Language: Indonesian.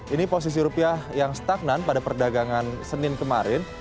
ini posisi rupiah yang stagnan pada perdagangan senin kemarin